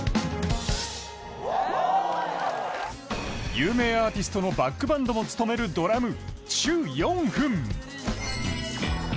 有名アーティストのバックバンドも務めるドラムチュ・ヨンフン。